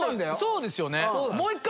そうですよね。